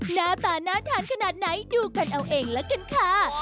หน้าตาน่าทานขนาดไหนดูกันเอาเองละกันค่ะ